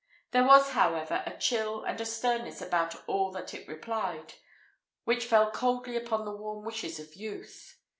There was, however, a chill and a sternness about all that it replied, which fell coldly upon the warm wishes of youth.